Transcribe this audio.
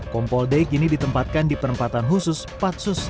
kompol d kini ditempatkan di perempatan khusus patsus